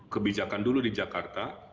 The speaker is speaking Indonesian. kebijakan dulu di jakarta